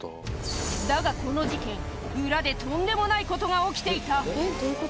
だがこの事件、裏でとんでもないことが起きていた。